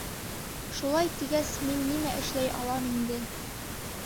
Шулай тигәс, мин нимә эшләй алам инде?